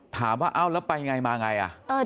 ถามว่าเอ้าแล้วไปไงมาไงอ่ะ